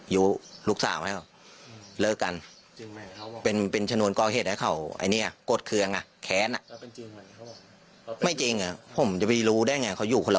ยกกลัวจ้ะยกกลัวเลยหรอ